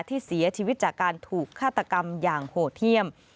ที่เสียชีวิตจากการถูกฆาตกรรมอย่างโหดเยี่ยม